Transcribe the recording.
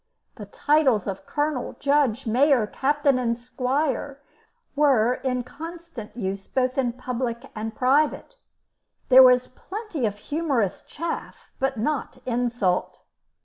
The titles of colonel, judge, major, captain, and squire were in constant use both in public and private; there was plenty of humorous "chaff," but not insult.